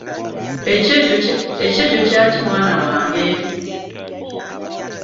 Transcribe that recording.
Ekyejo kyaki mwana wange.